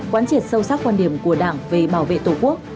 quán triệt sâu sắc quan điểm của đảng về bảo vệ tổ quốc